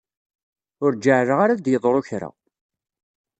Ur ǧeɛɛleɣ ara ad d-yeḍru kra.